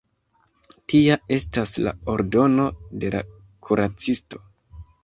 Tia estas la ordono de la kuracisto.